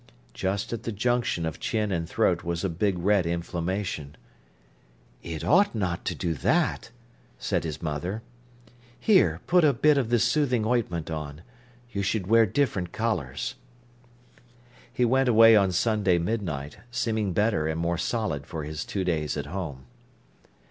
Just at the junction of chin and throat was a big red inflammation. "It ought not to do that," said his mother. "Here, put a bit of this soothing ointment on. You should wear different collars." He went away on Sunday midnight, seeming better and more solid for his two days at home.